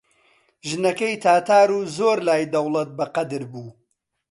ژنەکەی تاتار و زۆر لای دەوڵەت بەقەدر بوو